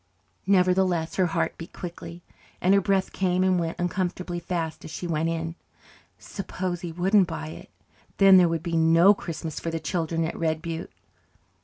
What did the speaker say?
Nevertheless her heart beat quickly, and her breath came and went uncomfortably fast as she went in. Suppose he wouldn't buy it. Then there would be no Christmas for the children at Red Butte.